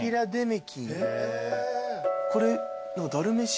これ。